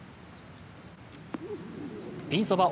ピンそば